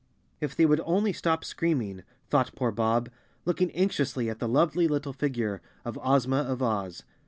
" "If they would only stop screaming," thought poor Bob, looking anxiously at the lovely little figure of The Co weirdly Lion of Oz Ozma of Oz.